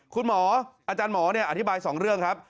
คุณหมออาจารย์หมออธิบาย๒เรื่องครับ